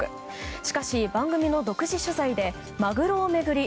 しかし、番組の独自取材でマグロを巡り